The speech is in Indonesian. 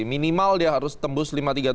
minimal dia harus tembus lima puluh tiga tujuh puluh